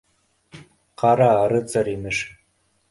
— Ҡара, рыцарь, имеш.